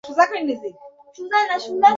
আমার বিচি পোলিশ করে দিয়ে একটা মিল্কশেক দাও।